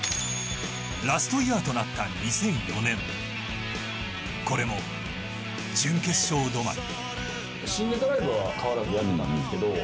ラストイヤーとなった２００４年これも準決勝止まり。